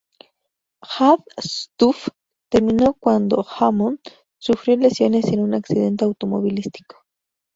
Hard Stuff terminó cuando Hammond sufrió lesiones en un accidente automovilístico.